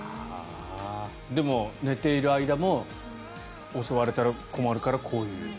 でも、寝ている間も襲われたら困るからこういう。